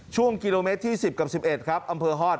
ช่วงกิโลเมตรที่๑๐กับ๑๑ครับอำเภอฮอต